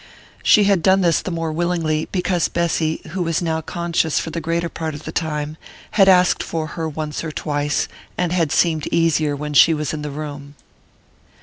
She had done this the more willingly because Bessy, who was now conscious for the greater part of the time, had asked for her once or twice, and had seemed easier when she was in the room.